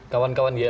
kawan kawan di lbhi